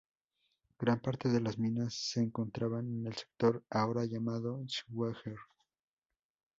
Gran parte de las minas se encontraban en el sector ahora llamado Schwager.